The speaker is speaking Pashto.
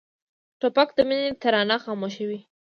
توپک د مینې ترانه خاموشوي.